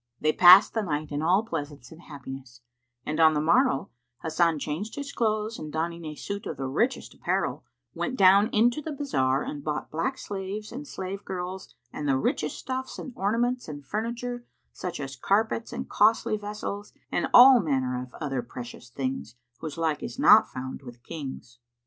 They passed the night in all pleasance and happiness, and on the morrow Hasan changed his clothes and donning a suit of the richest apparel, went down into the bazar and bought black slaves and slave girls and the richest stuffs and ornaments and furniture such as carpets and costly vessels and all manner other precious things, whose like is not found with Kings.